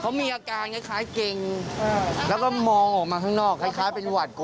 เขามีอาการคล้ายเก่งแล้วก็มองออกมาข้างนอกคล้ายเป็นหวัดกลัว